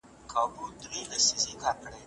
دا نبات د ځمکې د تخریب مخه نیسي.